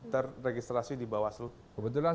terregistrasi di bawaslu kebetulan